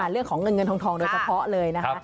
เรื่องของเงินเงินทองโดยเฉพาะเลยนะคะ